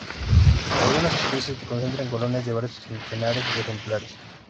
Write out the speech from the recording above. Algunas especies concentran colonias de varios centenares de ejemplares.